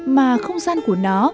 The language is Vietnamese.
mà không gian của nó